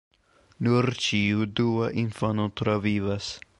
Nur ĉiu dua infano travivas.